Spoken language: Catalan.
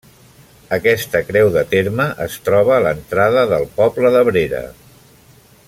Aquesta creu de terme es troba a l'entrada del poble d'Abrera.